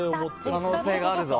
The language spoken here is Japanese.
可能性があるぞ。